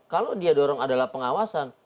kalau dia dorong adalah pengawasan